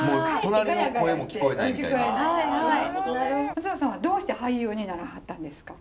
松尾さんはどうして俳優にならはったんですか？